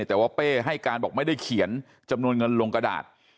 แต่ว่าเป้ให้การบอกไม่ได้เขียนจำนวนเงินลงกระดาษ